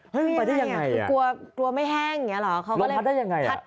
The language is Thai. เฮ้ยมันไปได้ยังไงอ่ะกลัวไม่แฮ่งอย่างงี้หรอ